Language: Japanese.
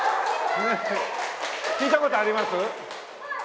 聞いた事あります？